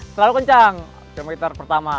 selalu kencang kilometer pertama